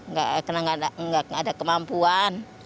gak ada kemampuan